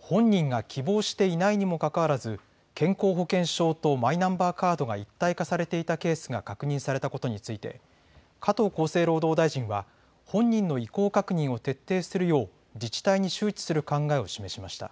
本人が希望していないにもかかわらず健康保険証とマイナンバーカードが一体化されていたケースが確認されたことについて加藤厚生労働大臣は本人の意向確認を徹底するよう自治体に周知する考えを示しました。